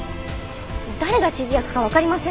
誰が指示役かわかりません。